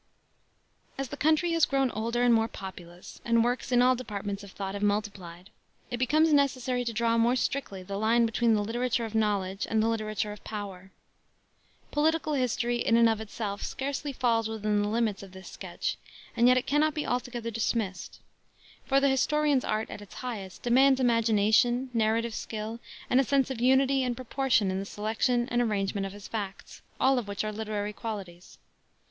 As the country has grown older and more populous, and works in all departments of thought have multiplied, it becomes necessary to draw more strictly the line between the literature of knowledge and the literature of power. Political history, in and of itself, scarcely falls within the limits of this sketch, and yet it cannot be altogether dismissed; for the historian's art at its highest demands imagination, narrative skill, and a sense of unity and proportion in the selection and arrangement of his facts, all of which are literary qualities.